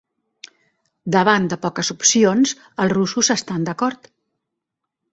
Davant de poques opcions, els russos estan d'acord.